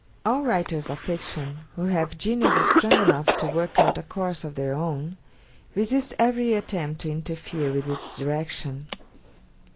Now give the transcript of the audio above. All writers of fiction, who have genius strong enough to work out a course of their own, resist every attempt to interfere with its direction.